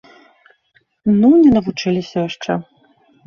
Ну, не навучыліся яшчэ.